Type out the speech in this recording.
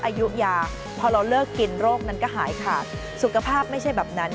อายุยาพอเราเลิกกินโรคนั้นก็หายขาดสุขภาพไม่ใช่แบบนั้น